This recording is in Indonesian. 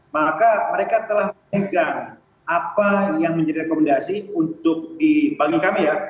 maka mereka telah memegang apa yang menjadi rekomendasi untuk di bagi kami ya